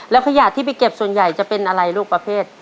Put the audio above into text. แล้วขยะที่ไปเก็บส่วนใหญ่จะเป็นอะไรลูกประเภท